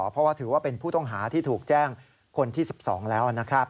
เพราะว่าถือว่าเป็นผู้ต้องหาที่ถูกแจ้งคนที่๑๒แล้วนะครับ